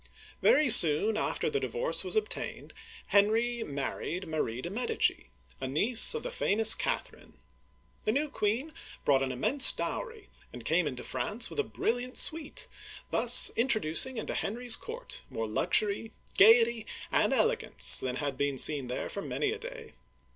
Very soon after the divorce was obtained, Henry married Marie de* Medici, a niece of the famous Catherine. The new queen brought an immense dowry, and came into France with a brilliant suite, thus introducing into Henry's court more luxury, gayety, and elegance than had been seen there for many a day.